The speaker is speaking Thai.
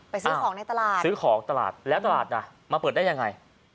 ซื้อของในตลาดซื้อของตลาดแล้วตลาดน่ะมาเปิดได้ยังไง